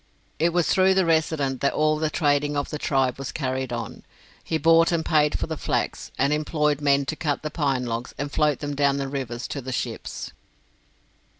It was through the resident that all the trading of the tribe was carried on. He bought and paid for the flax, and employed men to cut the pine logs and float them down the rivers to the ships.